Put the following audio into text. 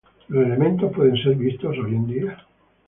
Los elementos pueden ser vistos hoy en día.